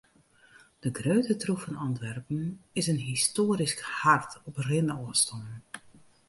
De grutte troef fan Antwerpen is in histoarysk hart op rinôfstân.